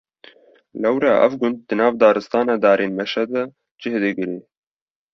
Lewra ev gund di nav daristana darên mêşe de cih digire.